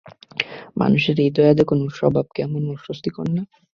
মানুষের এই দয়া দেখানোর স্বভাব কেমন অস্বস্তিকর না?